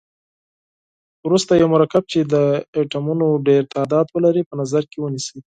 وروسته یو مرکب چې د اتومونو ډیر تعداد ولري په نظر کې ونیسئ.